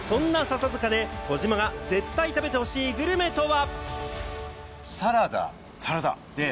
そんな笹塚で児嶋が絶対食べてほしいグルメとは？